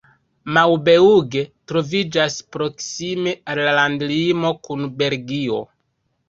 Maubeuge troviĝas proksime al la landlimo kun Belgio.